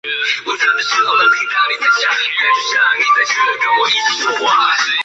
这至关重要一步为国民政府的入川和战时财政作出了不可忽视的贡献。